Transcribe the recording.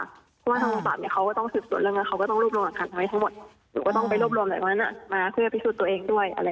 ที่กลางปาเธอก็ต้องสืบสดเรื่อง